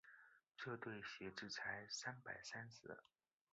这对鞋子才三百三十。